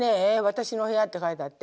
「私の部屋」って書いてあって。